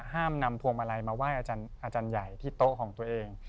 ห้ามนำพวงมาลัยมาไหว้อาจารย์ใหญ่ที่โต๊ะของตัวเอง